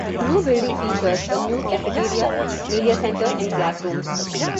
The new building features a new cafeteria, media center and classrooms.